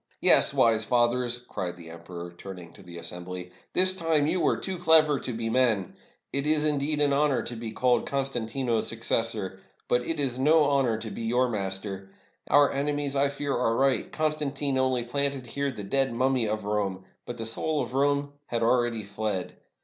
"Yes, wise fathers," cried the emperor, turning to the assembly, "this time you were too clever to be men. It is, indeed, an honor to be called Constantino's suc cessor, but it is no honor to be your master! Our ene mies, I fear, are right; Constantine only planted here the dead mummy of Rome, but the soul of Rome had al ready fled.